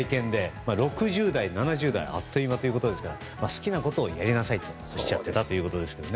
会見で６０代、７０代はあっという間ということですが好きなことをやりなさいとおっしゃっていたということです。